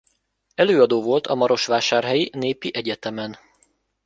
Előadó volt a marosvásárhelyi Népi Egyetemen.